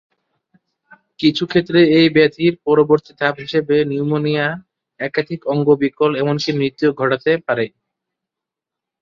কিছুক্ষেত্রে এই ব্যাধির পরবর্তী ধাপ হিসেবে নিউমোনিয়া, একাধিক অঙ্গ বিকল এমনকি মৃত্যুও ঘটতে পারে।